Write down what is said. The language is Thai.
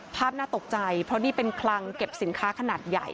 น่าตกใจเพราะนี่เป็นคลังเก็บสินค้าขนาดใหญ่